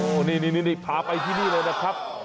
นี่พาไปที่นี่เลยนะครับ